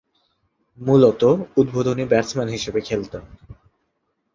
মূলতঃ উদ্বোধনী ব্যাটসম্যান হিসেবে খেলতেন।